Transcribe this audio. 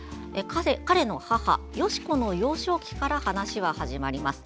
彼の母・芳子の幼少期から話は始まります。